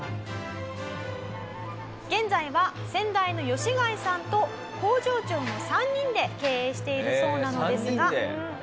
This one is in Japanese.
現在は先代の吉開さんと工場長の３人で経営しているそうなのですが。